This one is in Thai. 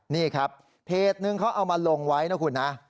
นี่ครับเพจนึงเขาเอามาลงไว้นะคุณนะ